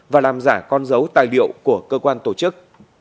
và làm giả con dấu tài liệu của cơ quan tổ chức